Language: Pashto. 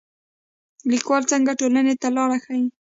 لیکوال څنګه ټولنې ته لار ښيي؟